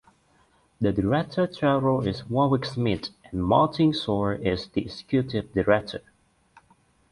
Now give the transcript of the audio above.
The director general is Warwick Smith and Martin Sawer is the executive director.